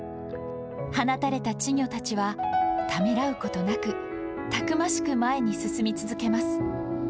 放たれた稚魚たちはためらうことなく、たくましく前に進み続けます。